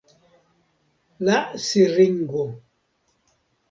La siringo.